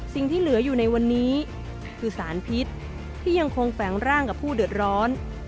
สิ่งที่เหลืออยู่ในวันนี้คือสารพิษที่ยังคงแฝงร่างกับผู้เดือดร้อน